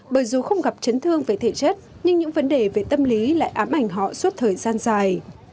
bởi dù không gặp chấn thương về thể chất nhưng những vấn đề về tâm lý lại ám ảnh họ suốt thời gian dài